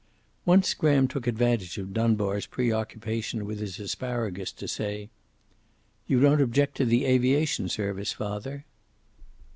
Once Graham took advantage of Dunbar's preoccupation with his asparagus to say: "You don't object to the aviation service, father?"